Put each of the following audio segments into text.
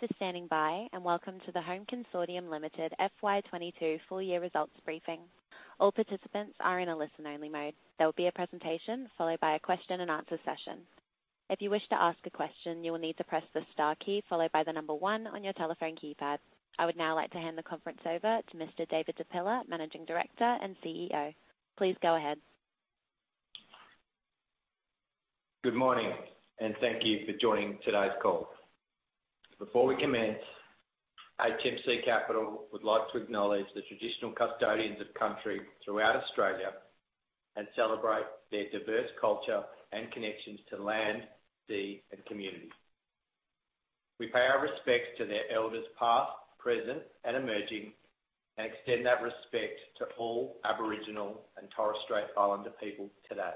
Thanks for standing by, and welcome to the Home Consortium Limited FY 2022 full year results briefing. All participants are in a listen only mode. There will be a presentation followed by a question and answer session. If you wish to ask a question, you will need to press the star key followed by the number one on your telephone keypad. I would now like to hand the conference over to Mr. David Di Pilla, Managing Director and CEO. Please go ahead. Good morning, and thank you for joining today's call. Before we commence, HMC Capital would like to acknowledge the traditional custodians of country throughout Australia and celebrate their diverse culture and connections to land, sea, and community. We pay our respects to their elders past, present, and emerging, and extend that respect to all Aboriginal and Torres Strait Islander people today.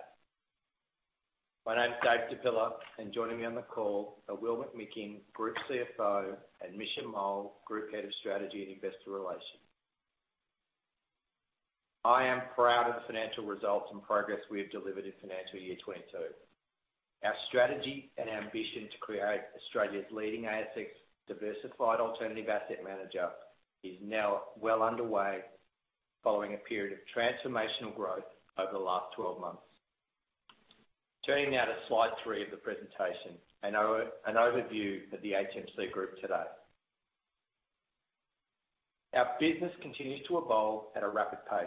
My name is Dave Di Pilla, and joining me on the call are Will McMicking, Group CFO, and Misha Mohl, Group Head of Strategy and Investor Relations. I am proud of the financial results and progress we have delivered in financial year 2022. Our strategy and ambition to create Australia's leading ASX diversified alternative asset manager is now well underway following a period of transformational growth over the last 12 months. Turning now to slide 3 of the presentation, an overview of the HMC group today. Our business continues to evolve at a rapid pace.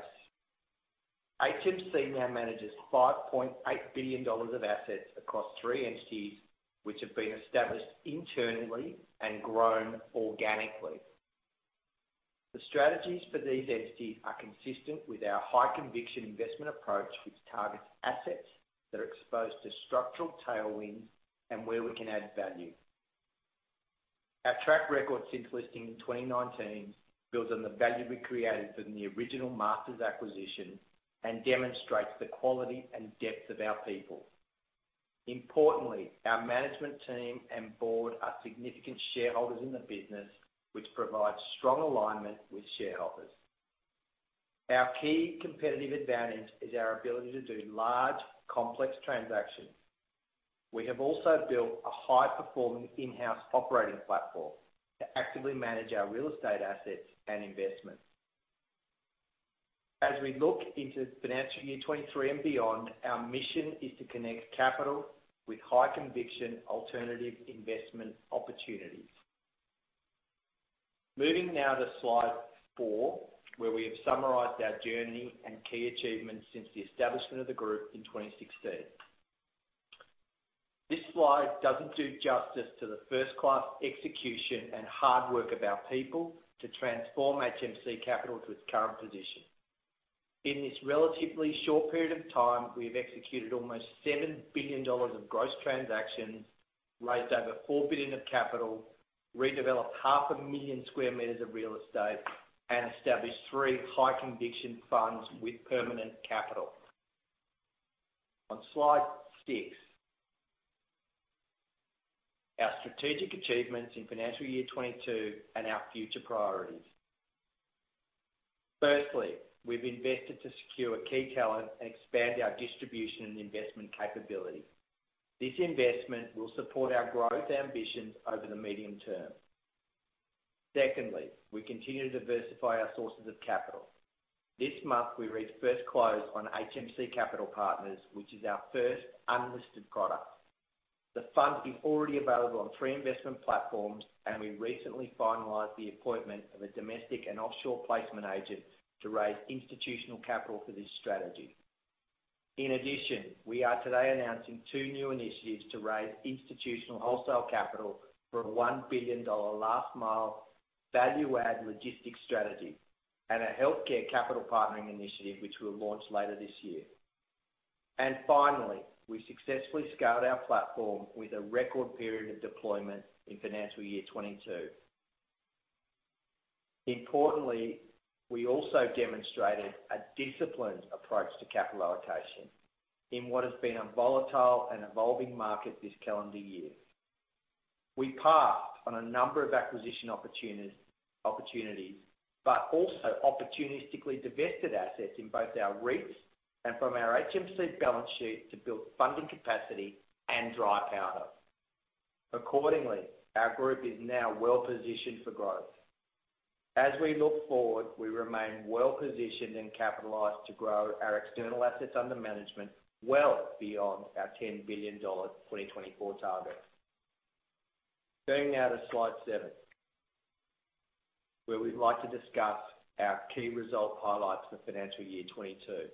HMC now manages 5.8 billion dollars of assets across three entities, which have been established internally and grown organically. The strategies for these entities are consistent with our high conviction investment approach, which targets assets that are exposed to structural tailwinds and where we can add value. Our track record since listing in 2019 builds on the value we created from the original Masters acquisition and demonstrates the quality and depth of our people. Importantly, our management team and board are significant shareholders in the business, which provides strong alignment with shareholders. Our key competitive advantage is our ability to do large, complex transactions. We have also built a high-performing in-house operating platform to actively manage our real estate assets and investments. As we look into financial year 2023 and beyond, our mission is to connect capital with high conviction alternative investment opportunities. Moving now to slide 4, where we have summarized our journey and key achievements since the establishment of the group in 2016. This slide doesn't do justice to the first-class execution and hard work of our people to transform HMC Capital to its current position. In this relatively short period of time, we have executed almost 7 billion dollars of gross transactions, raised over 4 billion of capital, redeveloped 500,000 square meters of real estate, and established 3 high conviction funds with permanent capital. On slide 6, our strategic achievements in financial year 2022 and our future priorities. Firstly, we've invested to secure key talent and expand our distribution and investment capability. This investment will support our growth ambitions over the medium term. Secondly, we continue to diversify our sources of capital. This month, we reached first close on HMC Capital Partners, which is our first unlisted product. The fund is already available on three investment platforms, and we recently finalized the appointment of a domestic and offshore placement agent to raise institutional capital for this strategy. In addition, we are today announcing two new initiatives to raise institutional wholesale capital for a 1 billion dollar last mile value add logistics strategy and a healthcare capital partnering initiative, which we'll launch later this year. Finally, we successfully scaled our platform with a record period of deployment in financial year 2022. Importantly, we also demonstrated a disciplined approach to capital allocation in what has been a volatile and evolving market this calendar year. We passed on a number of acquisition opportunities, but also opportunistically divested assets in both our REITs and from our HMC balance sheet to build funding capacity and dry powder. Accordingly, our group is now well-positioned for growth. As we look forward, we remain well-positioned and capitalized to grow our external assets under management well beyond our 10 billion dollar and 2024 targets. Turning now to slide 7, where we'd like to discuss our key result highlights for financial year 2022.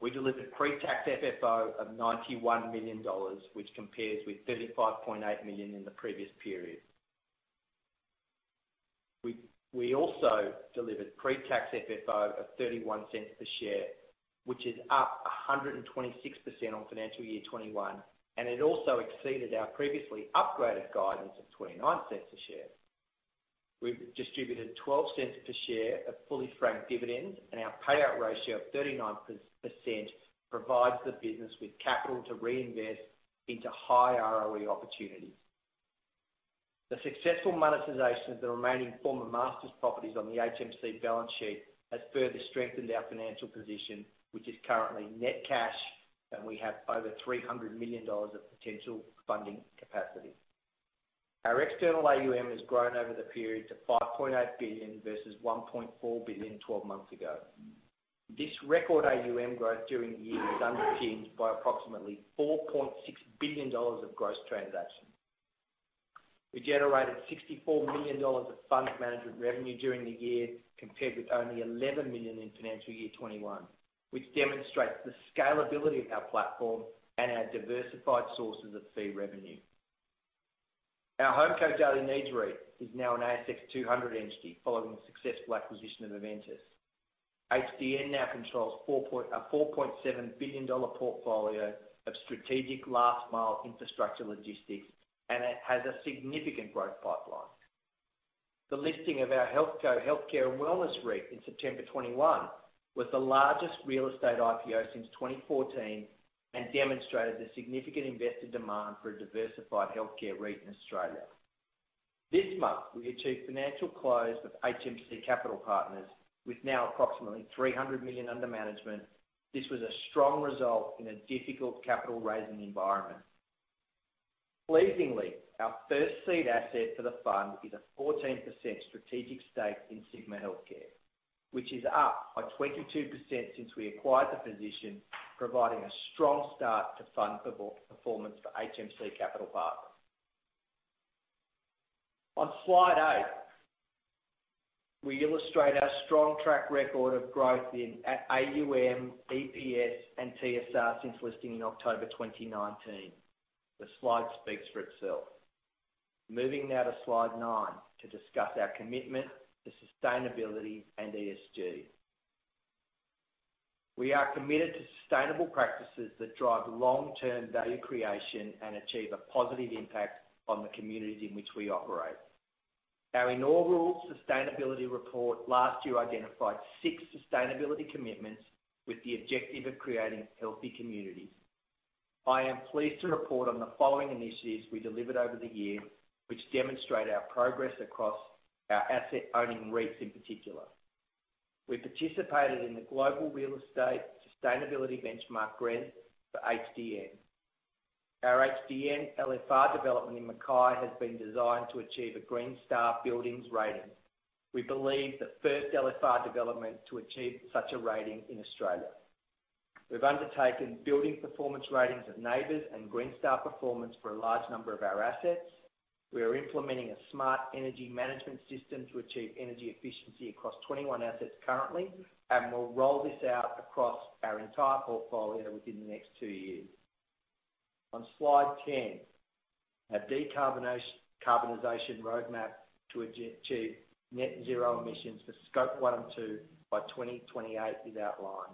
We delivered pre-tax FFO of 91 million dollars, which compares with 35.8 million in the previous period. We also delivered pre-tax FFO of 0.31 per share, which is up 126% on financial year 2021, and it also exceeded our previously upgraded guidance of 0.29 per share. We've distributed 0.12 per share of fully franked dividends, and our payout ratio of 39% provides the business with capital to reinvest into high ROE opportunities. The successful monetization of the remaining former Masters properties on the HMC balance sheet has further strengthened our financial position, which is currently net cash, and we have over 300 million dollars of potential funding capacity. Our external AUM has grown over the period to 5.8 billion versus 1.4 billion 12 months ago. This record AUM growth during the year was underpinned by approximately 4.6 billion dollars of gross transactions. We generated 64 million dollars of fund management revenue during the year, compared with only 11 million in financial year 2021, which demonstrates the scalability of our platform and our diversified sources of fee revenue. Our HomeCo Daily Needs REIT is now an S&P/ASX 200 entity following the successful acquisition of Aventus. HDN now controls a 4.7 billion dollar portfolio of strategic last mile infrastructure logistics, and it has a significant growth pipeline. The listing of our HealthCo Healthcare & Wellness REIT in September 2021 was the largest real estate IPO since 2014 and demonstrated the significant investor demand for a diversified healthcare REIT in Australia. This month, we achieved financial close with HMC Capital Partners with now approximately 300 million under management. This was a strong result in a difficult capital raising environment. Pleasingly, our first seed asset for the fund is a 14% strategic stake in Sigma Healthcare, which is up by 22% since we acquired the position, providing a strong start to fund per-performance for HMC Capital Partners. On slide 8, we illustrate our strong track record of growth in AUM, EPS, and TSR since listing in October 2019. The slide speaks for itself. Moving now to slide 9 to discuss our commitment to sustainability and ESG. We are committed to sustainable practices that drive long-term value creation and achieve a positive impact on the communities in which we operate. Our inaugural sustainability report last year identified six sustainability commitments with the objective of creating healthy communities. I am pleased to report on the following initiatives we delivered over the year, which demonstrate our progress across our asset owning REITs in particular. We participated in the Global Real Estate Sustainability Benchmark, GRESB, for HDN. Our HDN LFR development in Mackay has been designed to achieve a Green Star Buildings rating. We believe the first LFR development to achieve such a rating in Australia. We've undertaken building performance ratings of NABERS and Green Star performance for a large number of our assets. We are implementing a smart energy management system to achieve energy efficiency across 21 assets currently, and we'll roll this out across our entire portfolio within the next 2 years. On slide 10, our decarbonization roadmap to achieve net zero emissions for scope 1 and 2 by 2028 is outlined.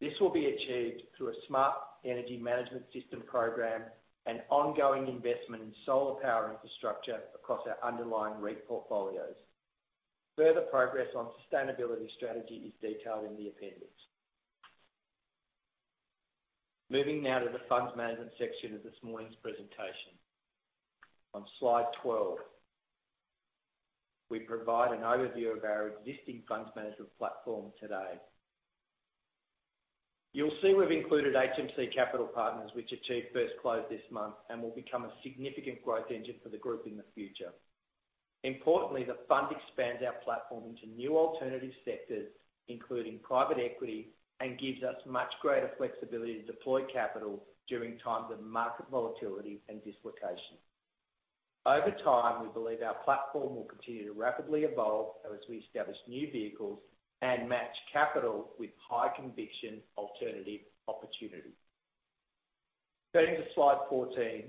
This will be achieved through a smart energy management system program and ongoing investment in solar power infrastructure across our underlying REIT portfolios. Further progress on sustainability strategy is detailed in the appendix. Moving now to the funds management section of this morning's presentation. On slide 12, we provide an overview of our existing funds management platform today. You'll see we've included HMC Capital Partners, which achieved first close this month and will become a significant growth engine for the group in the future. Importantly, the fund expands our platform into new alternative sectors, including private equity, and gives us much greater flexibility to deploy capital during times of market volatility and dislocation. Over time, we believe our platform will continue to rapidly evolve as we establish new vehicles and match capital with high conviction alternative opportunities. Going to slide 14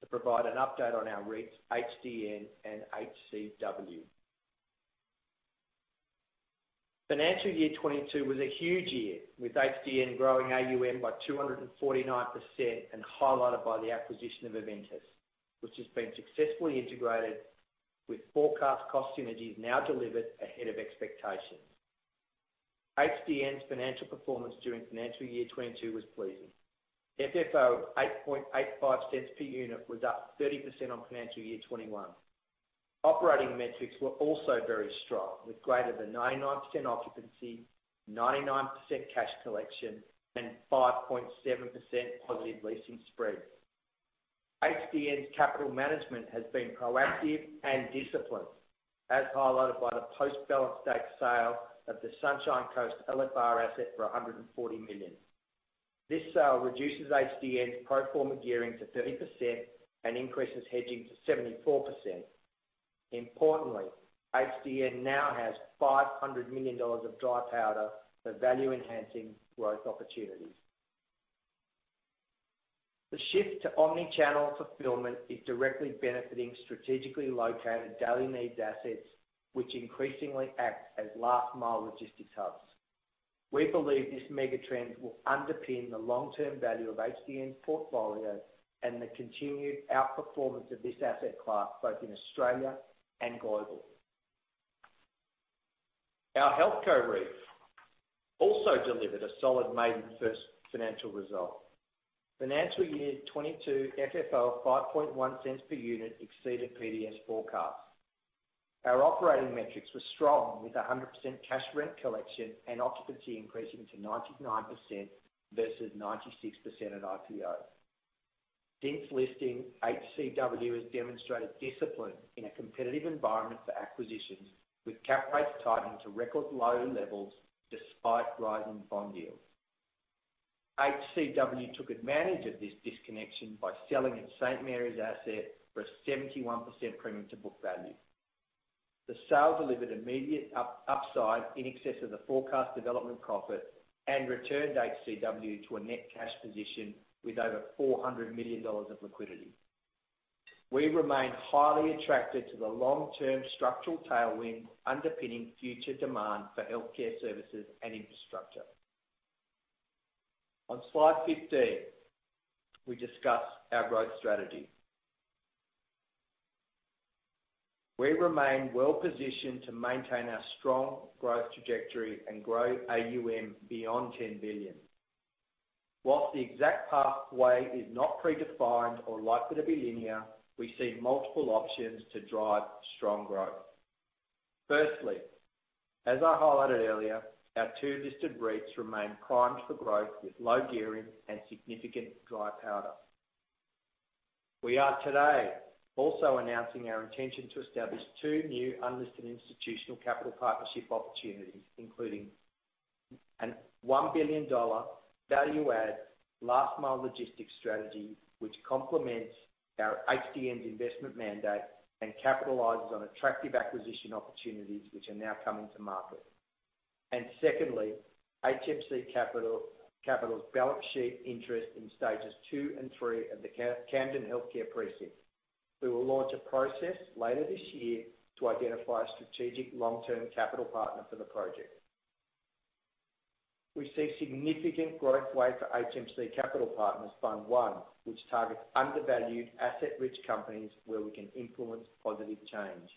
to provide an update on our REITs, HDN and HCW. Financial year 2022 was a huge year, with HDN growing AUM by 249% and highlighted by the acquisition of Aventus, which has been successfully integrated with forecast cost synergies now delivered ahead of expectations. HDN's financial performance during financial year 2022 was pleasing. FFO of AUD 0.0885 per unit was up 30% on financial year 2021. Operating metrics were also very strong, with greater than 99% occupancy, 99% cash collection, and 5.7% positive leasing spreads. HDN's capital management has been proactive and disciplined, as highlighted by the post-balance date sale of the Sunshine Coast LFR asset for 140 million. This sale reduces HDN's pro forma gearing to 30% and increases hedging to 74%. Importantly, HDN now has 500 million dollars of dry powder for value enhancing growth opportunities. The shift to omni-channel fulfillment is directly benefiting strategically located daily needs assets, which increasingly act as last mile logistics hubs. We believe this mega trend will underpin the long-term value of HDN's portfolio and the continued outperformance of this asset class, both in Australia and globally. Our HealthCo REIT also delivered a solid maiden first financial result. Financial year 2022 FFO, 0.051 per unit exceeded PDS forecasts. Our operating metrics were strong, with 100% cash rent collection and occupancy increasing to 99% versus 96% at IPO. Since listing, HCW has demonstrated discipline in a competitive environment for acquisitions, with cap rates tightening to record low levels despite rising bond yields. HCW took advantage of this disconnection by selling its St. Mary's asset for a 71% premium to book value. The sale delivered immediate upside in excess of the forecast development profit and returned HCW to a net cash position with over 400 million dollars of liquidity. We remain highly attracted to the long-term structural tailwind underpinning future demand for healthcare services and infrastructure. On slide 15, we discuss our growth strategy. We remain well-positioned to maintain our strong growth trajectory and grow AUM beyond 10 billion. While the exact pathway is not predefined or likely to be linear, we see multiple options to drive strong growth. Firstly, as I highlighted earlier, our two listed REITs remain primed for growth with low gearing and significant dry powder. We are today also announcing our intention to establish two new unlisted institutional capital partnership opportunities, including a 1 billion dollar value add last mile logistics strategy, which complements our HDN's investment mandate and capitalizes on attractive acquisition opportunities which are now coming to market. Secondly, HMC Capital's balance sheet interest in stages 2 and 3 of the Camden Healthcare Precinct. We will launch a process later this year to identify a strategic long-term capital partner for the project. We see significant growth runway for HMC Capital Partners Fund One, which targets undervalued asset-rich companies where we can influence positive change.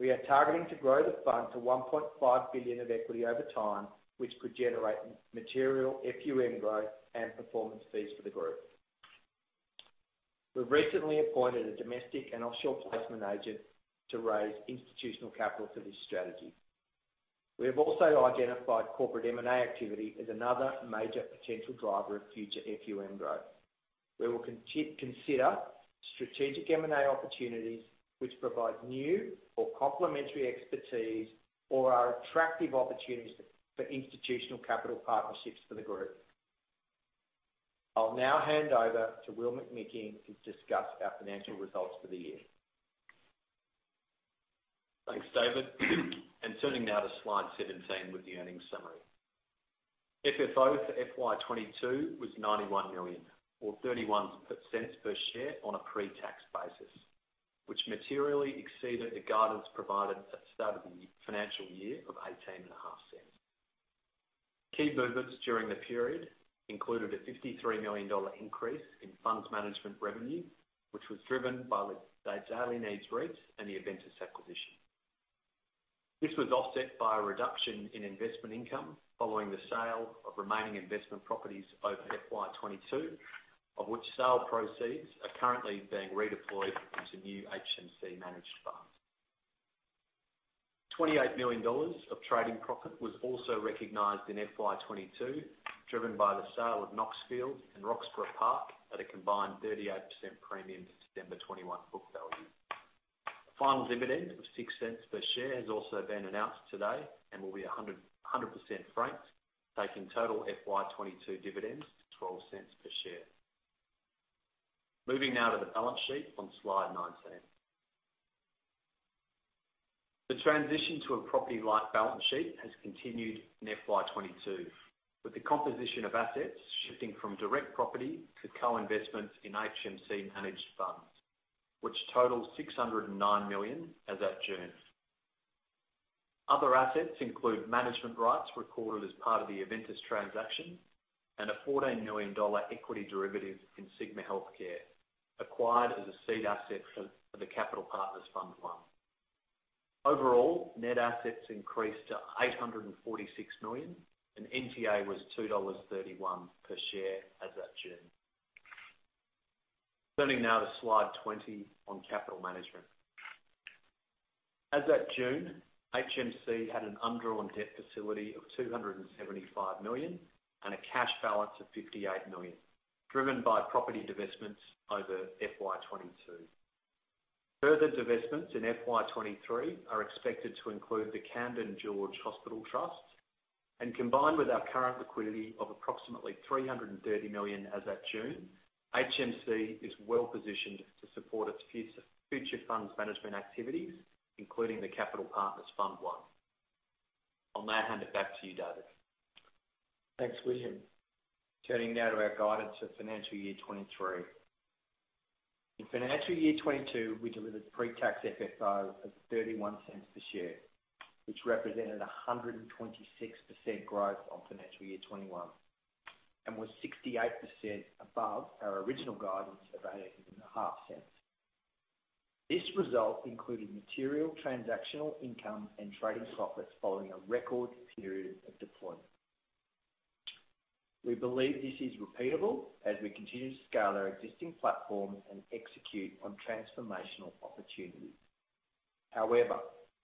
We are targeting to grow the fund to 1.5 billion of equity over time, which could generate material FUM growth and performance fees for the group. We recently appointed a domestic and offshore placement agent to raise institutional capital for this strategy. We have also identified corporate M&A activity as another major potential driver of future FUM growth. We will consider strategic M&A opportunities which provide new or complementary expertise or are attractive opportunities for institutional capital partnerships for the group. I'll now hand over to Will McMicking to discuss our financial results for the year. Thanks, David. Turning now to slide 17 with the earnings summary. FFO for FY 2022 was 91 million or 0.31 per share on a pre-tax basis, which materially exceeded the guidance provided at start of the financial year of 0.185. Key movements during the period included a 53 million dollar increase in funds management revenue, which was driven by the Daily Needs REIT and the Aventus acquisition. This was offset by a reduction in investment income following the sale of remaining investment properties over FY 2022, of which sale proceeds are currently being redeployed into new HMC managed funds. 28 million dollars of trading profit was also recognized in FY 2022, driven by the sale of Knoxfield and Roxburgh Park at a combined 38% premium to December 2021 book value. The final dividend of 0.06 per share has also been announced today and will be 100% franked, taking total FY 2022 dividends to AUD 0.12 per share. Moving now to the balance sheet on slide 19. The transition to a property-light balance sheet has continued in FY 2022, with the composition of assets shifting from direct property to co-investments in HMC managed funds, which totaled 609 million as at June. Other assets include management rights recorded as part of the Aventus transaction and a 14 million dollar equity derivative in Sigma Healthcare, acquired as a seed asset for the HMC Capital Partners Fund I. Overall, net assets increased to 846 million, and NTA was 2.31 dollars per share as at June. Turning now to slide 20 on capital management. As at June, HMC had an undrawn debt facility of 275 million and a cash balance of 58 million, driven by property divestments over FY 2022. Further divestments in FY 2023 are expected to include the Camden George Hospital Trust. Combined with our current liquidity of approximately 330 million as at June, HMC is well positioned to support its future funds management activities, including the HMC Capital Partners Fund I. I'll now hand it back to you, David. Thanks, Will. Turning now to our guidance for financial year 2023. In financial year 2022, we delivered pre-tax FFO of 0.31 per share, which represented 126% growth on financial year 2021, and was 68% above our original guidance of 0.185. This result included material transactional income and trading profits following a record period of deployment. We believe this is repeatable as we continue to scale our existing platform and execute on transformational opportunities. However,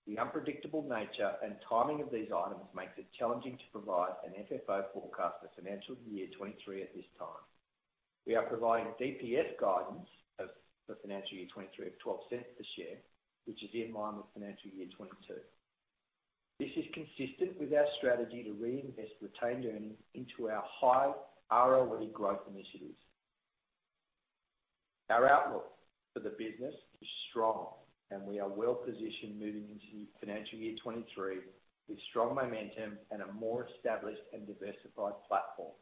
the unpredictable nature and timing of these items makes it challenging to provide an FFO forecast for financial year 2023 at this time. We are providing DPS guidance for financial year 2023 of 0.12 per share, which is in line with financial year 2022. This is consistent with our strategy to reinvest retained earnings into our high ROI growth initiatives. Our outlook for the business is strong and we are well positioned moving into financial year 2023 with strong momentum and a more established and diversified platform.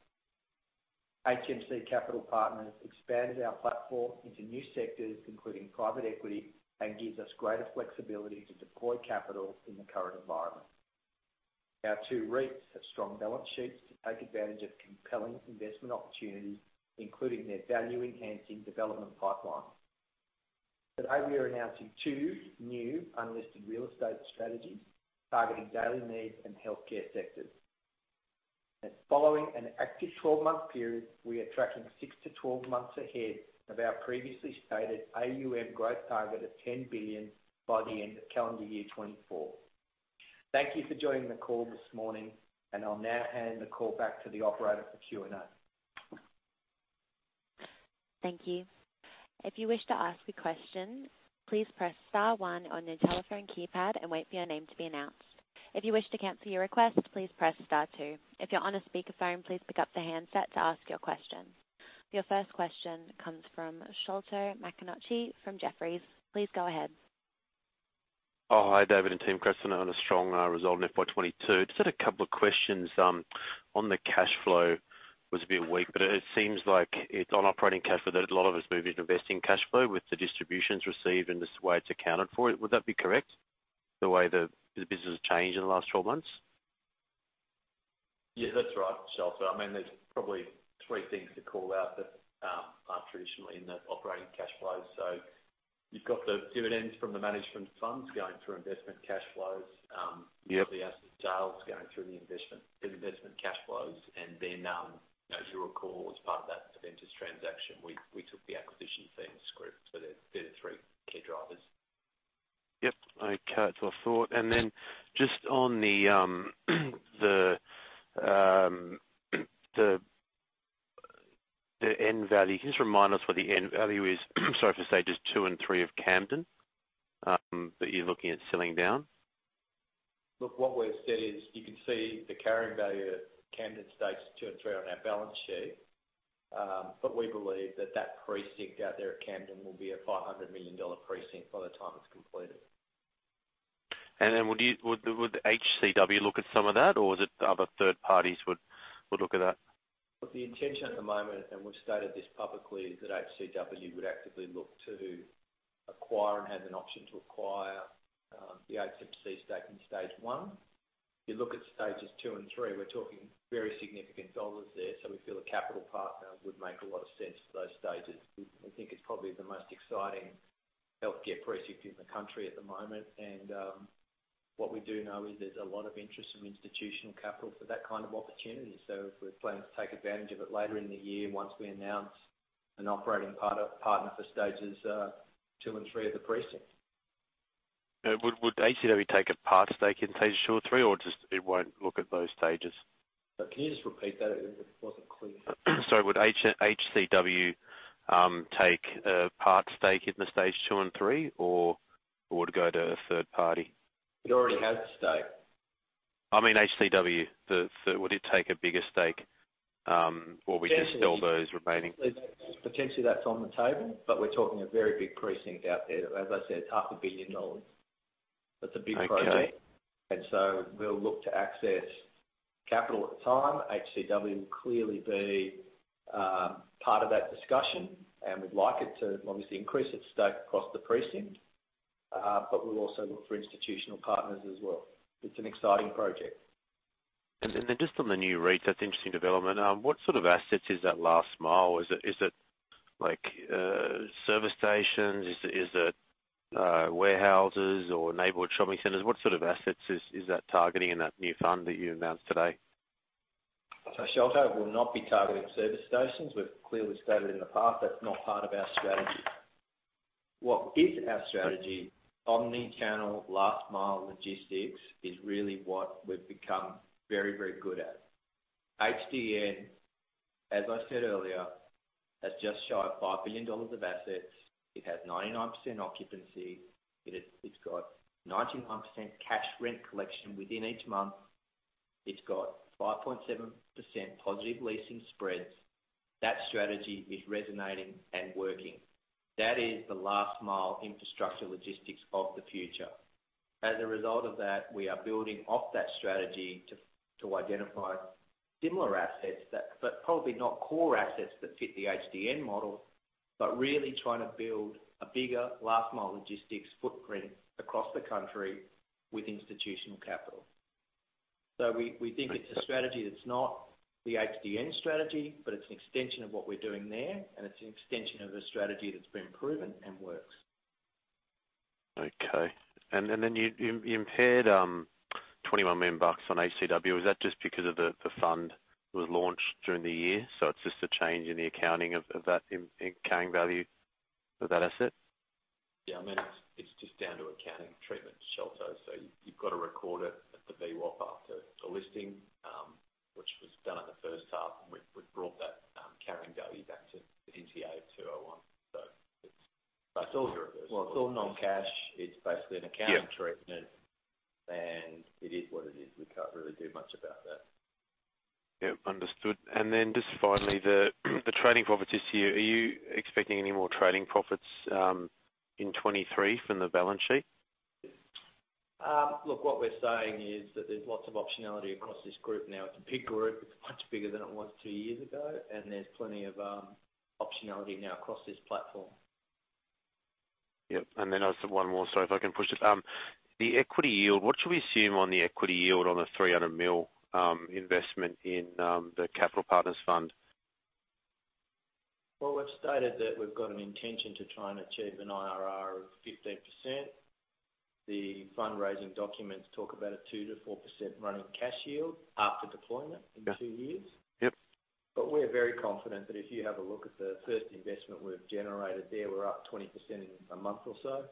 HMC Capital Partners expanded our platform into new sectors, including private equity, and gives us greater flexibility to deploy capital in the current environment. Our two REITs have strong balance sheets to take advantage of compelling investment opportunities, including their value-enhancing development pipeline. Today, we are announcing two new unlisted real estate strategies targeting daily needs and healthcare sectors. Following an active 12-month period, we are tracking 6-12 months ahead of our previously stated AUM growth target of 10 billion by the end of calendar year 2024. Thank you for joining the call this morning, and I'll now hand the call back to the operator for Q&A. Thank you. If you wish to ask a question, please press star one on your telephone keypad and wait for your name to be announced. If you wish to cancel your request, please press star two. If you're on a speakerphone, please pick up the handset to ask your question. Your first question comes from Sholto Maconochie from Jefferies. Please go ahead. Hi, David and team. Congrats on a strong result in FY 2022. Just had a couple of questions on the cash flow, was a bit weak, but it seems like on operating cash flow that a lot of it's moving to investing cash flow with the distributions received and just the way it's accounted for. Would that be correct, the way the business has changed in the last 12 months? Yeah, that's right, Sholto. I mean, there's probably three things to call out that aren't traditionally in the operating cash flows. You've got the dividends from the management funds going through investment cash flows. The asset sales going through the investment cash flows. As you'll recall, as part of that Centaurus transaction, we took the acquisition fees in scrip. They're the three key drivers. Yep. Okay. That's what I thought. Just on the end value. Can you just remind us what the end value is, sorry, for stages two and three of Camden that you're looking at selling down? Look, what we've said is you can see the carrying value at Camden Stages Two and Three on our balance sheet. We believe that that precinct out there at Camden will be a 500 million dollar precinct by the time it's completed. Would HCW look at some of that, or is it other third parties would look at that? The intention at the moment, and we've stated this publicly, is that HCW would actively look to acquire and has an option to acquire, the HMC stake in stage one. If you look at stages two and three, we're talking very significant dollars there, so we feel a capital partner would make a lot of sense for those stages. We think it's probably the most exciting healthcare precinct in the country at the moment. What we do know is there's a lot of interest from institutional capital for that kind of opportunity. We're planning to take advantage of it later in the year once we announce an operating partner for stages 2 and 3 of the precinct. Would HCW take a partial stake in stages 2 or 3, or just won't look at those stages? Can you just repeat that? It wasn't clear. Sorry. Would HCW take a partial stake in the stage 2 and 3 or go to a third party? It already has a stake. I mean, HCW. Would it take a bigger stake, or would you sell those remaining? Potentially that's on the table, but we're talking a very big precinct out there. As I said, it's 500,000 dollars. That's a big project. Okay. We'll look to access capital at the time. HCW will clearly be part of that discussion, and we'd like it to obviously increase its stake across the precinct. We'll also look for institutional partners as well. It's an exciting project. Just on the new REIT, that's interesting development. What sort of assets is that last mile? Is it like service stations? Is it warehouses or neighborhood shopping centers? What sort of assets is that targeting in that new fund that you announced today? Sholto, we'll not be targeting service stations. We've clearly stated in the past that's not part of our strategy. What is our strategy, omni-channel last mile logistics is really what we've become very, very good at. HDN, as I said earlier, has just shy of 5 billion dollars of assets. It has 99% occupancy. It's got 99% cash rent collection within each month. It's got 5.7% positive leasing spreads. That strategy is resonating and working. That is the last mile infrastructure logistics of the future. As a result of that, we are building off that strategy to identify similar assets that. Probably not core assets that fit the HDN model, but really trying to build a bigger last mile logistics footprint across the country with institutional capital. We think it's a strategy that's not the HDN strategy, but it's an extension of what we're doing there, and it's an extension of a strategy that's been proven and works. Okay. Then you impaired 21 million bucks on HCW. Is that just because the fund was launched during the year, so it's just a change in the accounting of that in carrying value of that asset? Yeah, I mean, it's just down to accounting treatment, Sholto. You've got to record it at the VWAP after the listing, which was done in the first half. We brought that carrying value back to the NTA of 2.01. Well, it's all non-cash. It's basically an accounting treatment. It is what it is. We can't really do much about that. Yep, understood. Just finally, the trading profits this year. Are you expecting any more trading profits in 2023 from the balance sheet? Look, what we're saying is that there's lots of optionality across this group now. It's a big group. It's much bigger than it was 2 years ago, and there's plenty of optionality now across this platform. Yep, I've just one more, so if I can push it. The equity yield, what should we assume on the equity yield on the 300 million investment in the Capital Partners Fund? Well, we've stated that we've got an intention to try and achieve an IRR of 15%. The fundraising documents talk about a 2%-4% running cash yield after deployment in 2 years. Yep. We're very confident that if you have a look at the first investment we've generated there, we're up 20% in a month or so,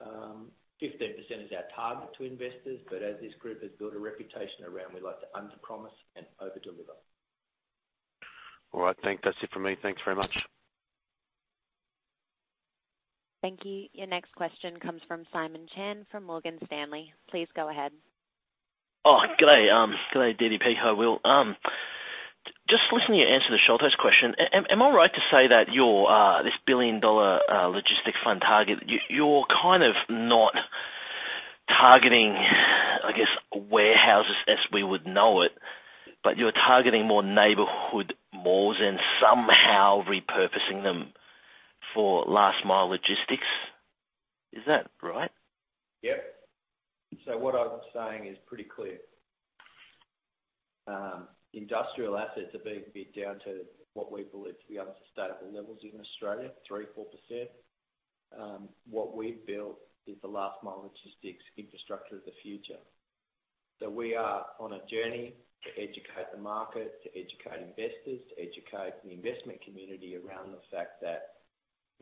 15% is our target to investors. As this group has built a reputation around, we like to underpromise and overdeliver. All right, thanks. That's it for me. Thanks very much. Thank you. Your next question comes from Simon Chen from Morgan Stanley. Please go ahead. Oh, g'day. G'day, DDP. Hi, Will. Just listening to you answer Sholto's question, am I right to say that your this billion-dollar logistics fund target, you're kind of not targeting, I guess, warehouses as we would know it, but you're targeting more neighborhood malls and somehow repurposing them for last mile logistics. Is that right? Yep. What I'm saying is pretty clear. Industrial assets are being bid down to what we believe to be unsustainable levels in Australia, 3%-4%. What we've built is the last mile logistics infrastructure of the future. We are on a journey to educate the market, to educate investors, to educate the investment community around the fact that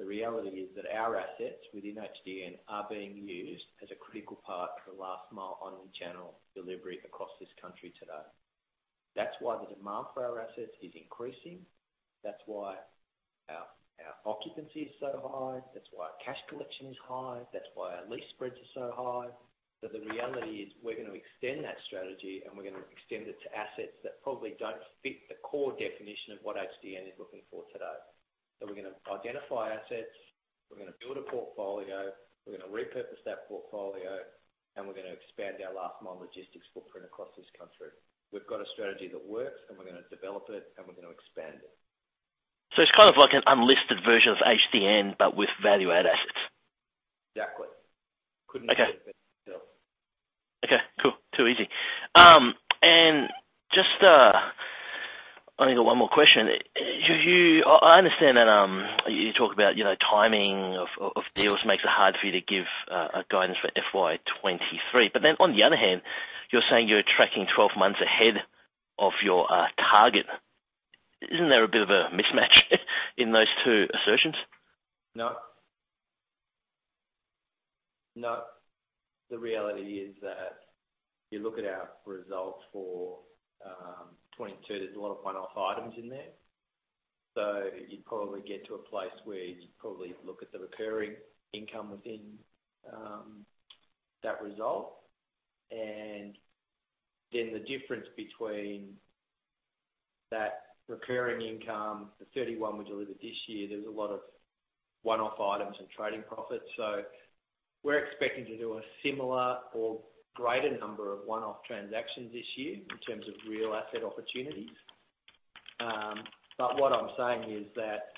the reality is that our assets within HDN are being used as a critical part for last mile omnichannel delivery across this country today. That's why the demand for our assets is increasing. That's why our occupancy is so high. That's why cash collection is high. That's why our lease spreads are so high. The reality is we're gonna extend that strategy, and we're gonna extend it to assets that probably don't fit the core definition of what HDN is looking for today. We're gonna identify assets, we're gonna build a portfolio, we're gonna repurpose that portfolio, and we're gonna expand our last mile logistics footprint across this country. We've got a strategy that works and we're gonna develop it and we're gonna expand it. It's kind of like an unlisted version of HDN, but with value-add assets. Exactly. Couldn't have said it better myself. Okay. Cool. Too easy. I only got one more question. I understand that you talk about, you know, timing of deals makes it hard for you to give a guidance for FY 2023. On the other hand, you're saying you're tracking 12 months ahead of your target. Isn't there a bit of a mismatch in those two assertions? No. No. The reality is that if you look at our results for 2022, there's a lot of one-off items in there. You'd probably get to a place where you'd probably look at the recurring income within that result. The difference between that recurring income, the 31 we delivered this year, there's a lot of one-off items and trading profits. We're expecting to do a similar or greater number of one-off transactions this year in terms of real asset opportunities. What I'm saying is that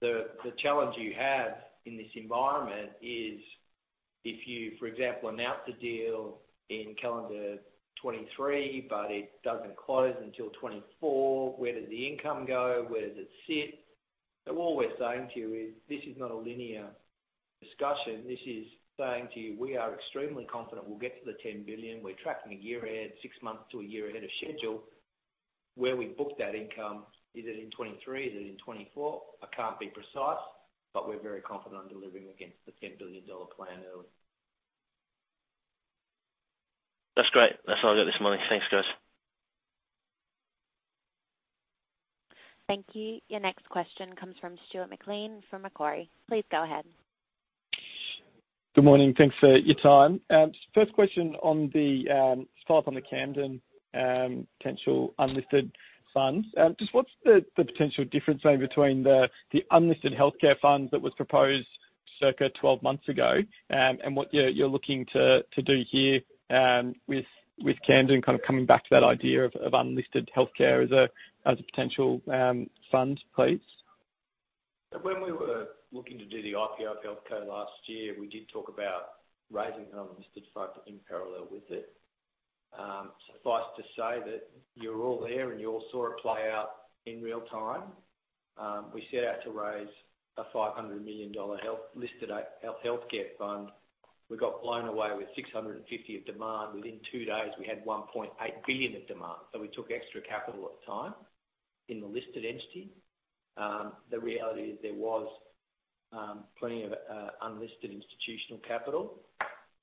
the challenge you have in this environment is if you, for example, announce the deal in calendar 2023, but it doesn't close until 2024, where does the income go. Where does it sit. All we're saying to you is this is not a linear discussion. This is saying to you, we are extremely confident we'll get to the 10 billion. We're tracking a year ahead, 6 months to a year ahead of schedule. Where we book that income, is it in 2023? Is it in 2024? I can't be precise, but we're very confident on delivering against the 10 billion dollar plan early. That's great. That's all I got this morning. Thanks, guys. Thank you. Your next question comes from Stuart McLean from Macquarie. Please go ahead. Good morning. Thanks for your time. First question on the just follow up on the Camden potential unlisted funds. Just what's the potential difference maybe between the unlisted healthcare fund that was proposed circa 12 months ago, and what you're looking to do here with Camden, kind of coming back to that idea of unlisted healthcare as a potential fund, please? When we were looking to do the IPO of HealthCo last year, we did talk about raising an unlisted fund in parallel with it. Suffice to say that you're all there and you all saw it play out in real time. We set out to raise a 500 million dollar healthcare fund. We got blown away with 650 million of demand. Within two days, we had 1.8 billion of demand. We took extra capital at the time in the listed entity. The reality is there was plenty of unlisted institutional capital.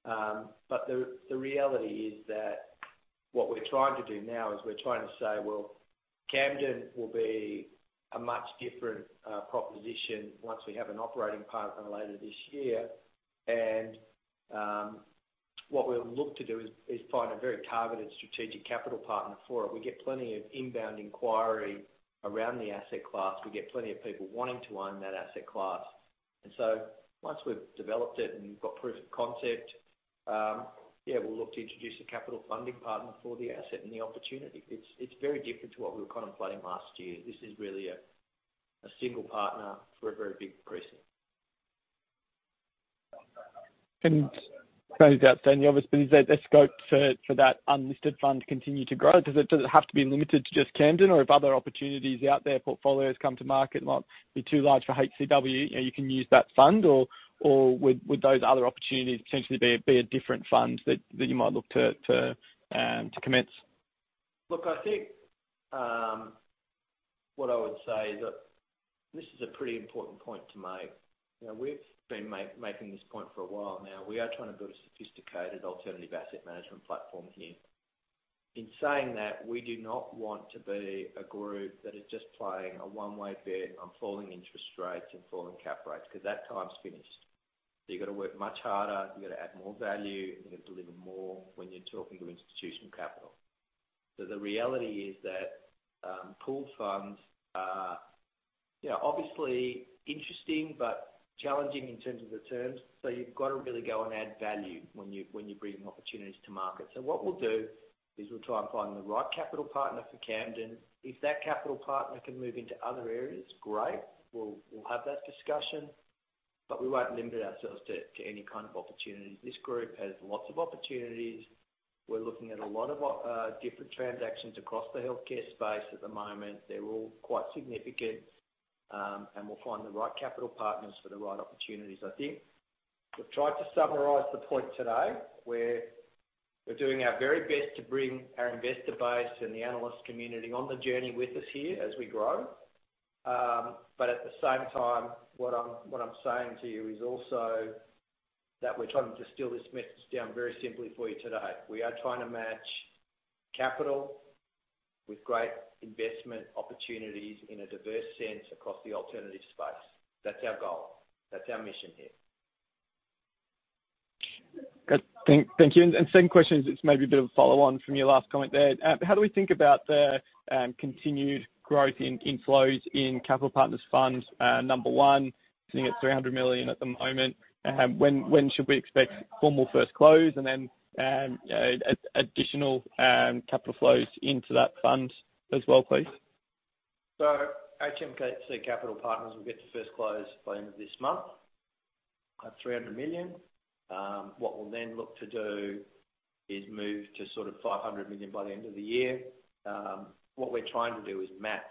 The reality is that what we're trying to do now is we're trying to say, well, Camden will be a much different proposition once we have an operating partner later this year. What we'll look to do is find a very targeted strategic capital partner for it. We get plenty of inbound inquiry around the asset class. We get plenty of people wanting to own that asset class. Once we've developed it and we've got proof of concept, yeah, we'll look to introduce a capital funding partner for the asset and the opportunity. It's very different to what we were contemplating last year. This is really a single partner for a very big precinct. Sorry to be outstanding, obviously. Is there scope for that unlisted fund to continue to grow? Does it have to be limited to just Camden or if other opportunities out there, portfolios come to market, might be too large for HCW, and you can use that fund or would those other opportunities potentially be a different fund that you might look to commence? Look, I think, what I would say is that this is a pretty important point to make. You know, we've been making this point for a while now. We are trying to build a sophisticated alternative asset management platform here. In saying that, we do not want to be a group that is just playing a one-way bet on falling interest rates and falling cap rates because that time's finished. You've got to work much harder, you've got to add more value, and you've got to deliver more when you're talking to institutional capital. The reality is that pooled funds are, you know, obviously interesting but challenging in terms of the terms. You've got to really go and add value when you're bringing opportunities to market. What we'll do is we'll try and find the right capital partner for Camden. If that capital partner can move into other areas, great. We'll have that discussion, but we won't limit ourselves to any kind of opportunities. This group has lots of opportunities. We're looking at a lot of different transactions across the healthcare space at the moment. They're all quite significant, and we'll find the right capital partners for the right opportunities. I think we've tried to summarize the point today where we're doing our very best to bring our investor base and the analyst community on the journey with us here as we grow. At the same time, what I'm saying to you is also that we're trying to distill this message down very simply for you today. We are trying to match capital with great investment opportunities in a diverse sense across the alternative space. That's our goal. That's our mission here. Good. Thank you. Second question is just maybe a bit of a follow-on from your last comment there. How do we think about the continued growth in inflows in Capital Partners Fund, number one, sitting at 300 million at the moment? When should we expect formal first close and then additional capital flows into that fund as well, please? HMC Capital Partners will get to first close by end of this month at 300 million. What we'll then look to do is move to sort of 500 million by the end of the year. What we're trying to do is match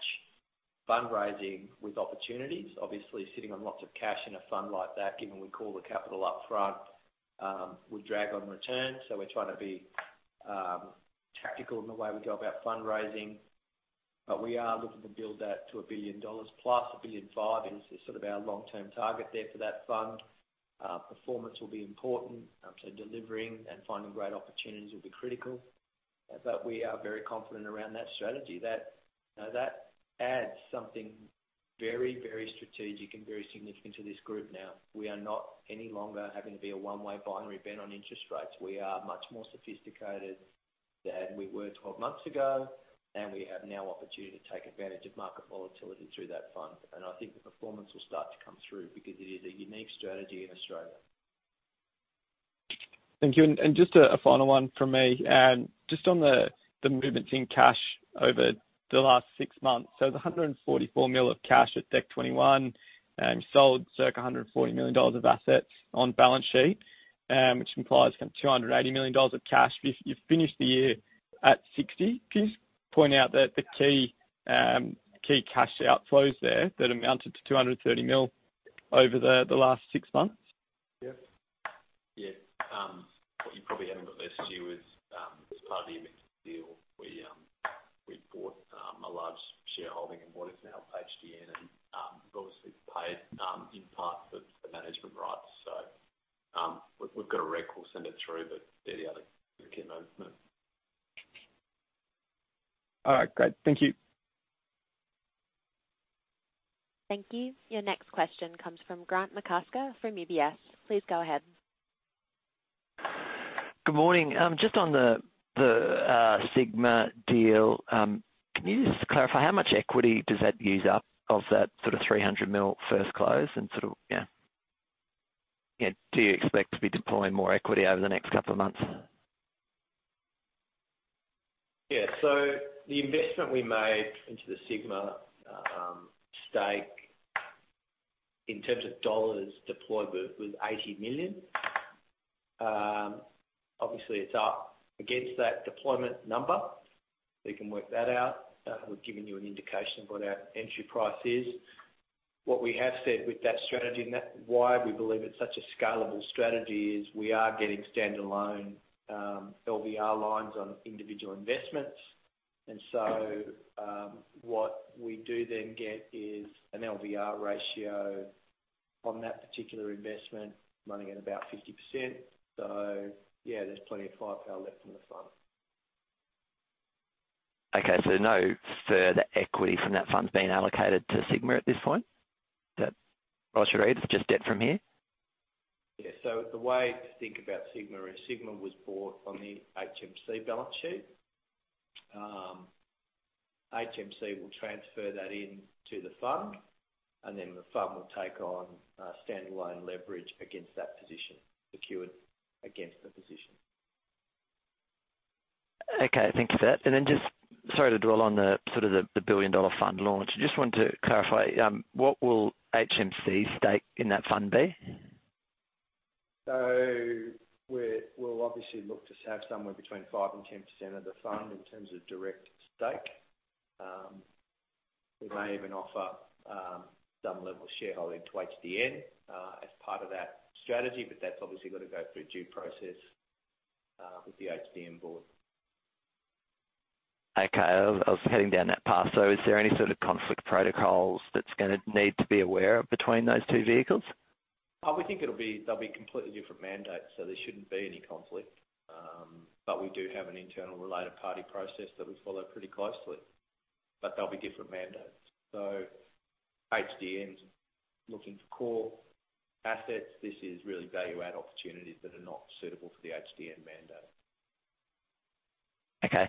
fundraising with opportunities, obviously sitting on lots of cash in a fund like that, given we call the capital up front, will drag on returns. We're trying to be tactical in the way we go about fundraising. We are looking to build that to 1+ billion dollars 1.5 billion is sort of our long-term target there for that fund. Performance will be important. Delivering and finding great opportunities will be critical. We are very confident around that strategy that, you know, that adds something very, very strategic and very significant to this group now. We are not any longer having to be a one-way binary bet on interest rates. We are much more sophisticated than we were 12 months ago, and we have now opportunity to take advantage of market volatility through that fund. I think the performance will start to come through because it is a unique strategy in Australia. Thank you. Just a final one from me. Just on the movements in cash over the last six months. The 144 million of cash at Dec 2021, sold circa 140 million dollars of assets on balance sheet, which implies kind of 280 million dollars of cash. You've finished the year at 60 million. Can you just point out the key cash outflows there that amounted to 230 million over the last six months? What you probably haven't got there, Stu, is as part of the HMC deal we bought a large shareholding in what is now HDN and obviously paid in part for the management rights. We've got a rec. We'll send it through, but they're the other key movements. All right, great. Thank you. Thank you. Your next question comes from Grant McCasker from UBS. Please go ahead. Good morning. Just on the Sigma deal, can you just clarify how much equity does that use up of that sort of 300 million first close and sort of, yeah. You know, do you expect to be deploying more equity over the next couple of months? Yeah. The investment we made into the Sigma stake in terms of dollars deployed was 80 million. Obviously, it's up against that deployment number, so you can work that out. We've given you an indication of what our entry price is. What we have said with that strategy, and that's why we believe it's such a scalable strategy is we are getting standalone LVR lines on individual investments. What we do then get is an LVR ratio on that particular investment running at about 50%. Yeah, there's plenty of firepower left in the fund. Okay, no further equity from that fund's been allocated to Sigma at this point? Is that? Or should I read it's just debt from here? The way to think about Sigma Healthcare is Sigma Healthcare was bought on the HMC balance sheet. HMC will transfer that into the fund, and then the fund will take on standalone leverage against that position, secured against the position. Okay, thank you for that. Just sorry to dwell on the billion-dollar fund launch. Just wanted to clarify what will HMC stake in that fund be? We'll obviously look to have somewhere between 5%-10% of the fund in terms of direct stake. We may even offer some level of shareholding to HDN as part of that strategy, but that's obviously got to go through due process with the HDN board. Okay. I was heading down that path. Is there any sort of conflict protocols that's gonna need to be aware of between those two vehicles? We think they'll be completely different mandates, so there shouldn't be any conflict. We do have an internal related party process that we follow pretty closely. They'll be different mandates. HDN's looking for core assets. This is really value-add opportunities that are not suitable for the HDN mandate. Okay.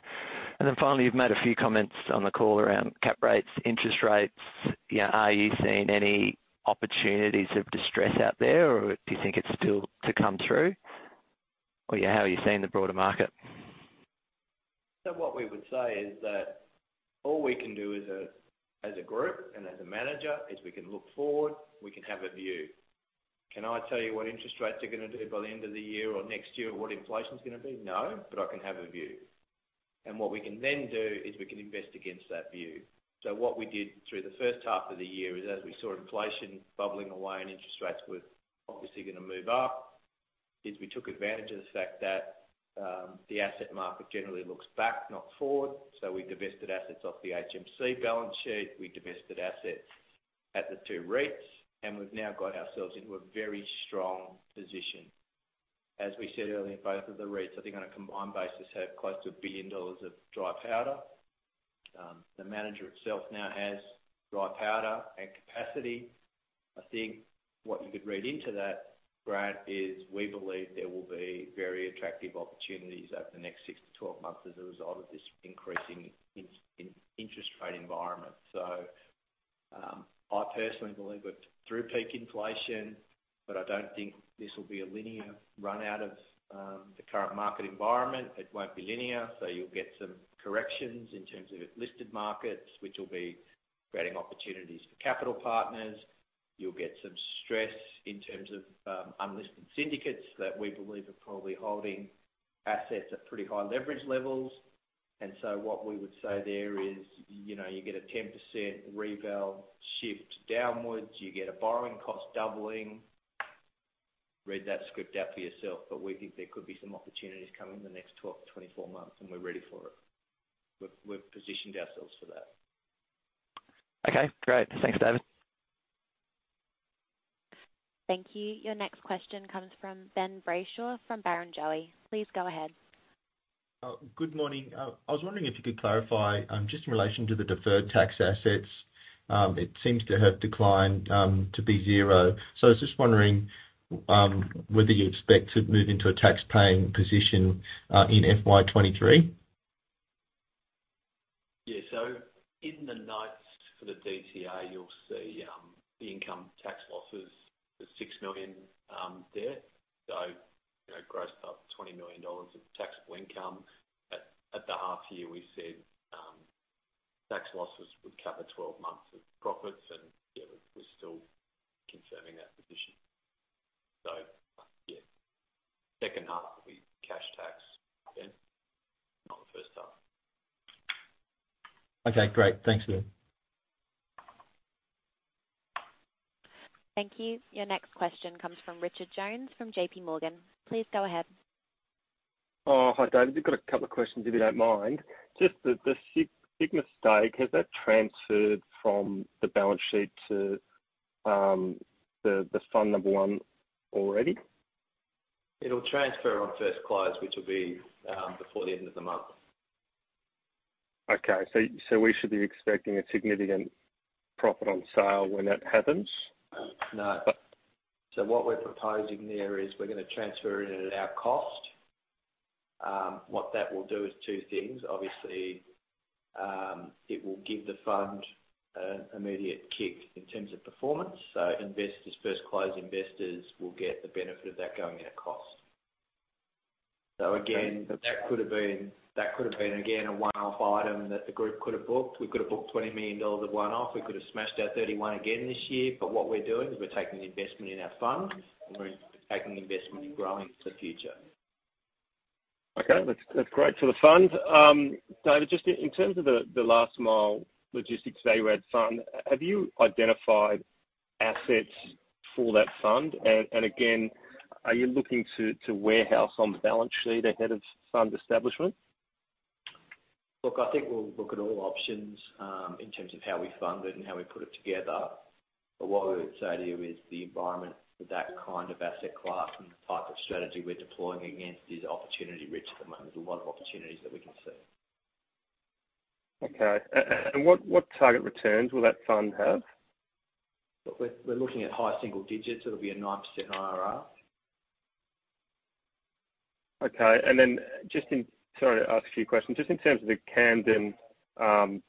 Finally, you've made a few comments on the call around cap rates, interest rates. You know, are you seeing any opportunities of distress out there, or do you think it's still to come through? Or, yeah, how are you seeing the broader market? What we would say is that all we can do as a group and as a manager is we can look forward, we can have a view. Can I tell you what interest rates are gonna do by the end of the year or next year, or what inflation's gonna be? No, but I can have a view. What we can then do is we can invest against that view. What we did through the first half of the year is, as we saw inflation bubbling away and interest rates were obviously gonna move up, is we took advantage of the fact that the asset market generally looks back, not forward. We divested assets off the HMC balance sheet. We divested assets at the two REITs, and we've now got ourselves into a very strong position. As we said earlier, both of the REITs, I think on a combined basis, have close to 1 billion dollars of dry powder. The manager itself now has dry powder and capacity. I think what you could read into that, Grant, is we believe there will be very attractive opportunities over the next 6 to 12 months as a result of this increasing in interest rate environment. I personally believe we're through peak inflation, but I don't think this will be a linear run out of the current market environment. It won't be linear, so you'll get some corrections in terms of listed markets, which will be creating opportunities for capital partners. You'll get some stress in terms of unlisted syndicates that we believe are probably holding assets at pretty high leverage levels. What we would say there is, you know, you get a 10% reval shift downwards, you get a borrowing cost doubling. Read that script out for yourself. We think there could be some opportunities coming in the next 12-24 months, and we're ready for it. We've positioned ourselves for that. Okay, great. Thanks, David. Thank you. Your next question comes from Ben Brayshaw from Barrenjoey. Please go ahead. Good morning. I was wondering if you could clarify, just in relation to the deferred tax assets. It seems to have declined to be zero. I was just wondering whether you expect to move into a tax-paying position in FY 2023? Yeah. In the notes for the DTA, you'll see the income tax losses, the 6 million, there. You know, grossed up 20 million dollars of taxable income. At the half year, we said tax losses would cover 12 months of profits and yeah, we're still conserving that position. Yeah, second half will be cash tax, Ben, not the first half. Okay, great. Thanks, David. Thank you. Your next question comes from Richard Jones from JPMorgan. Please go ahead. Oh, hi, David. I've got a couple of questions if you don't mind. Just the Sigma stake, has that transferred from the balance sheet to the fund number one already? It'll transfer on first close, which will be before the end of the month. Okay. We should be expecting a significant profit on sale when that happens? No. What we're proposing there is we're gonna transfer it at our cost. What that will do is two things, obviously, it will give the fund an immediate kick in terms of performance. Investors, first close investors will get the benefit of that going at a cost. Again, that could have been a one-off item that the group could have booked. We could have booked 20 million dollars of one-off. We could have smashed our 31 again this year. What we're doing is we're taking the investment in our fund and we're taking investment in growing for the future. Okay, that's great for the fund. David, just in terms of the Last Mile Logistics A-REIT fund, have you identified assets for that fund? Again, are you looking to warehouse on the balance sheet ahead of fund establishment? Look, I think we'll look at all options in terms of how we fund it and how we put it together. What I would say to you is the environment for that kind of asset class and the type of strategy we're deploying against is opportunity rich at the moment. There's a lot of opportunities that we can see. Okay. What target returns will that fund have? We're looking at high single digits. It'll be a 9% IRR. Sorry to ask you a few questions. Just in terms of the Camden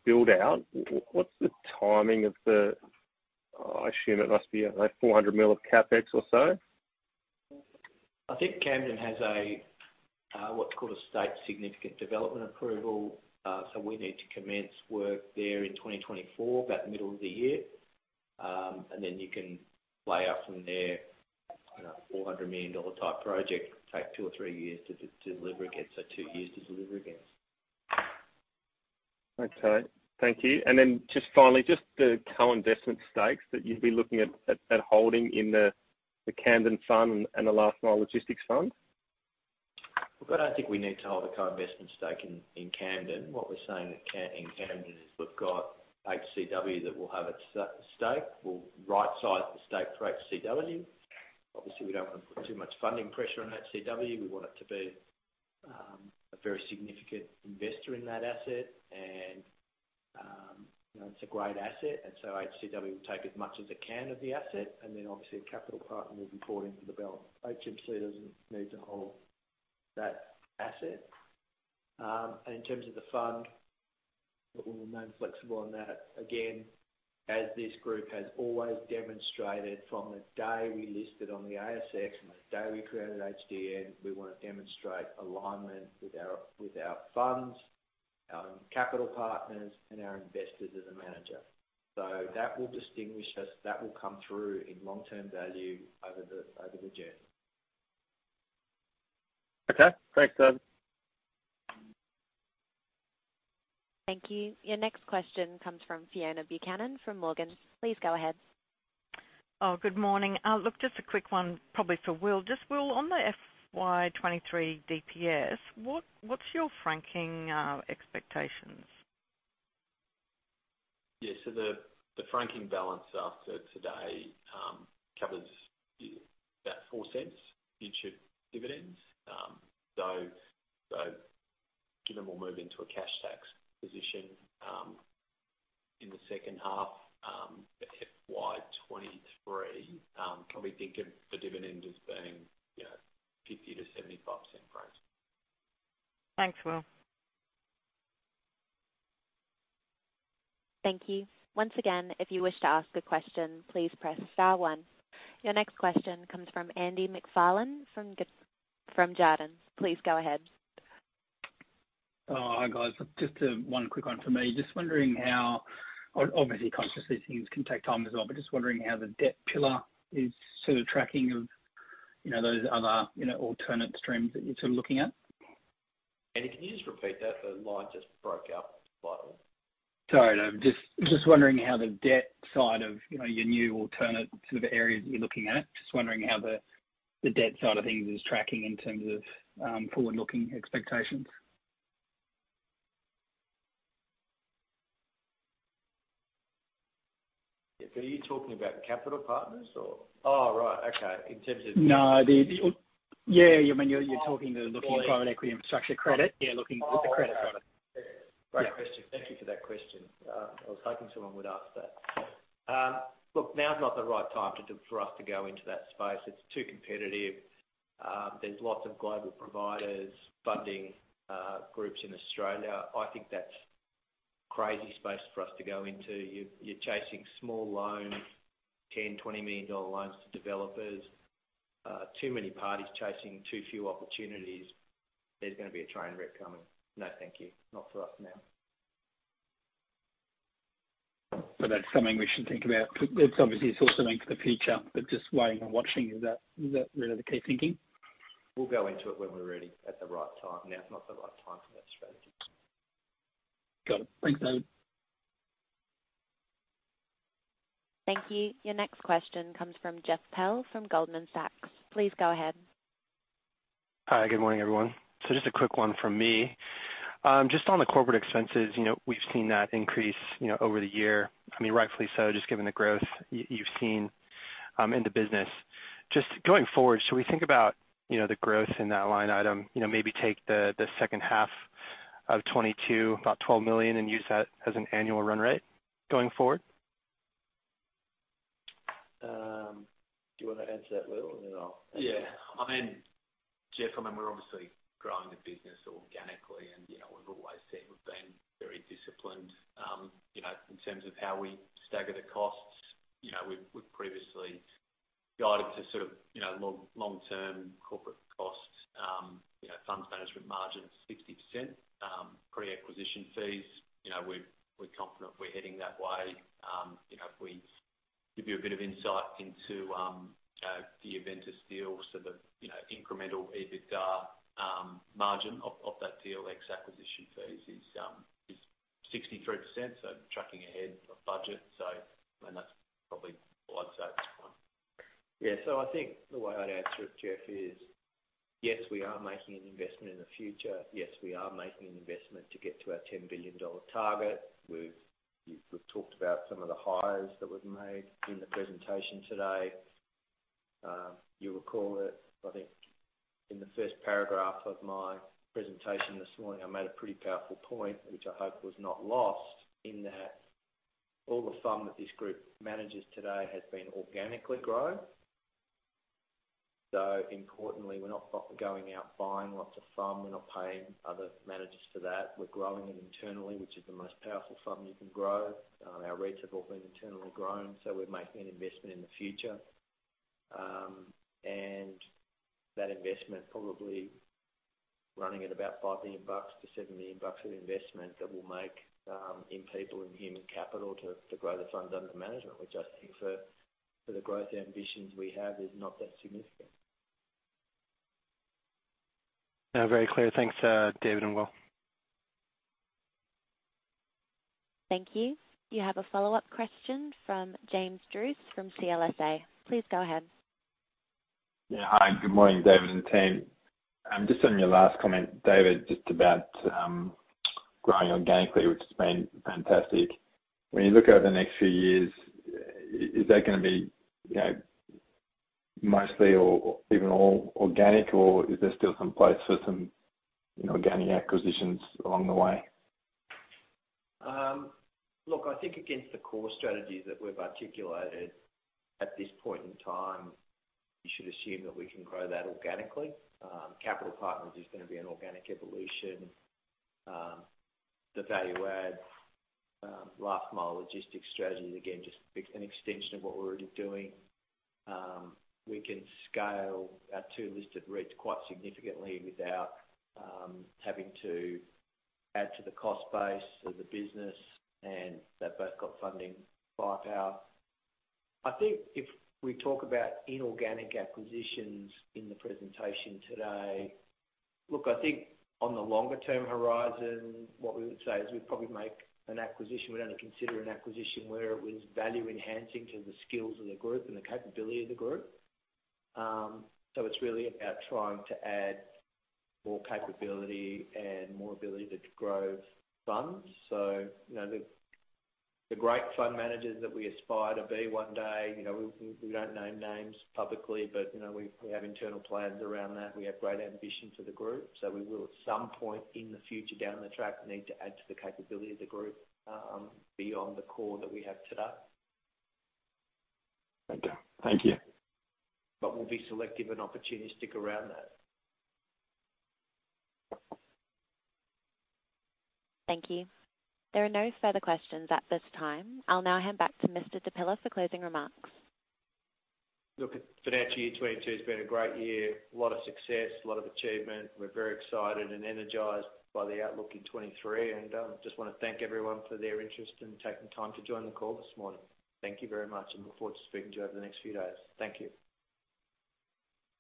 build out, what's the timing of the, I assume it must be like 400 million of CapEx or so? I think Camden has a what's called a State Significant Development approval. We need to commence work there in 2024, about the middle of the year. You can lay out from there, you know, 400 million dollar type project take 2 or 3 years to deliver against. Two years to deliver against. Okay. Thank you. Just finally, just the co-investment stakes that you'd be looking at holding in the Camden fund and the Last Mile Logistics fund? Look, I don't think we need to hold a co-investment stake in Camden. What we're saying in Camden is we've got HCW that will have a stake. We'll rightsize the stake for HCW. Obviously, we don't want to put too much funding pressure on HCW. We want it to be a very significant investor in that asset. You know, it's a great asset, and so HCW will take as much as it can of the asset, and then obviously a capital partner will report into the balance. HMC doesn't need to hold that asset. In terms of the fund, look, we remain flexible on that. Again, as this group has always demonstrated from the day we listed on the ASX, from the day we created HDN, we want to demonstrate alignment with our funds, our capital partners, and our investors as a manager. That will distinguish us. That will come through in long-term value over the journey. Okay. Thanks, David. Thank you. Your next question comes from Fiona Buchanan from Morgans. Please go ahead. Oh, good morning. Look, just a quick one probably for Will. Just, Will, on the FY 2023 DPS, what's your franking expectations? Yeah. The franking balance as of today covers about AUD 0.04 in dividends. Given we'll move into a cash tax position in the second half of FY 2023, can we think of the dividend as being, you know, 0.50-0.75 bucks range? Thanks, Will. Thank you. Once again, if you wish to ask a question, please press star one. Your next question comes from Andrew MacFarlane from Jarden. Please go ahead. Oh, hi, guys. Just one quick one for me. Obviously, consciously, things can take time as well, but just wondering how the debt pillar is sort of tracking of, you know, those other, you know, alternate streams that you're sort of looking at. Andy, can you just repeat that? The line just broke up a little. Sorry, Dave. Just wondering how the debt side of, you know, your new alternative sort of areas you're looking at. Just wondering how the debt side of things is tracking in terms of forward-looking expectations. Yeah. Are you talking about capital partners or? Oh, right. Okay. In terms of. No. Yeah, when you're talking about looking at private equity, infrastructure, credit. Yeah, looking at the credit part of it. Oh, okay. Great question. Thank you for that question. I was hoping someone would ask that. Look, now is not the right time for us to go into that space. It's too competitive. There's lots of global providers, funding groups in Australia. I think that's crazy space for us to go into. You're chasing small loans, 10 million, 20 million dollar loans to developers. Too many parties chasing too few opportunities. There's gonna be a train wreck coming. No, thank you. Not for us now. That's something we should think about. It's obviously, it's also aimed for the future, but just waiting and watching. Is that really the key thinking? We'll go into it when we're ready at the right time. Now is not the right time for that strategy. Got it. Thanks, David. Thank you. Your next question comes from Jeff Pehl from Goldman Sachs. Please go ahead. Hi. Good morning, everyone. Just a quick one from me. Just on the corporate expenses, you know, we've seen that increase, you know, over the year. I mean, rightfully so, just given the growth you've seen in the business. Just going forward, should we think about, you know, the growth in that line item, you know, maybe take the second half of 2022, about 12 million, and use that as an annual run rate going forward? Do you wanna answer that, Will? Then I'll. Yeah. I mean, Jeff, I mean, we're obviously growing the business organically and, you know, we've always said we've been very disciplined, you know, in terms of how we stagger the costs. You know, we've previously guided to sort of, you know, long-term corporate costs, you know, funds management margins 60%, pre-acquisition fees. You know, we're confident we're heading that way. You know, if we give you a bit of insight into the Aventus deal, so the, you know, incremental EBITDA margin of that deal ex acquisition fees is 63%, so tracking ahead of budget. I mean, that's probably all I'd say at this time. Yeah. I think the way I'd answer it, Jeff, is yes, we are making an investment in the future. Yes, we are making an investment to get to our 10 billion dollar target. We've talked about some of the hires that we've made in the presentation today. You'll recall that, I think in the first paragraph of my presentation this morning, I made a pretty powerful point, which I hope was not lost, in that all the FUM that this group manages today has been organically grown. Importantly, we're not going out buying lots of FUM. We're not paying other managers for that. We're growing it internally, which is the most powerful FUM you can grow. Our REITs have all been internally grown, so we're making an investment in the future. That investment probably running at about 5 million-7 million bucks of investment that we'll make in people and human capital to grow the funds under management, which I think for the growth ambitions we have is not that significant. Very clear. Thanks, David and Will. Thank you. You have a follow-up question from James Druce from CLSA. Please go ahead. Yeah. Hi. Good morning, David and team. Just on your last comment, David, just about growing organically, which has been fantastic. When you look over the next few years, is that gonna be, you know, mostly or even all organic, or is there still some place for some, you know, organic acquisitions along the way? Look, I think against the core strategy that we've articulated at this point in time, you should assume that we can grow that organically. Capital Partners is gonna be an organic evolution. The value add, last mile logistics strategy, again, just an extension of what we're already doing. We can scale our two listed REITs quite significantly without having to add to the cost base of the business, and they've both got funding firepower. I think if we talk about inorganic acquisitions in the presentation today. Look, I think on the longer term horizon, what we would say is we'd probably make an acquisition. We'd only consider an acquisition where it was value enhancing to the skills of the group and the capability of the group. It's really about trying to add more capability and more ability to grow funds. You know, the great fund managers that we aspire to be one day, you know, we don't name names publicly, but, you know, we have internal plans around that. We have great ambition for the group. We will, at some point in the future, down the track, need to add to the capability of the group, beyond the core that we have today. Okay. Thank you. We'll be selective and opportunistic around that. Thank you. There are no further questions at this time. I'll now hand back to Mr. Di Pilla for closing remarks. Look, financial year 2022 has been a great year. A lot of success, a lot of achievement. We're very excited and energized by the outlook in 2023, and just wanna thank everyone for their interest and taking time to join the call this morning. Thank you very much, and look forward to speaking to you over the next few days. Thank you.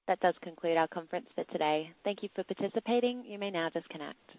That does conclude our conference for today. Thank you for participating. You may now disconnect.